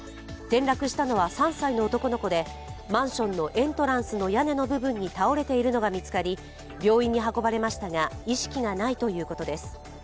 転落したのは３歳の男の子で、マンションのエントランスの屋根の部分に倒れているのが見つかり病院に運ばれましたが意識がないということです。